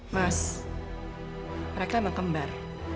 mas mereka memang kembar